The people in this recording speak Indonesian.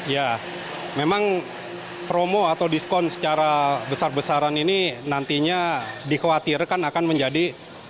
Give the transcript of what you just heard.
ya memang promo atau diskon secara besar besaran ini nantinya dikhawatirkan akan menjadi